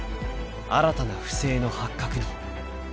［新たな不正の発覚に］